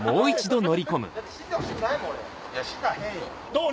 どう？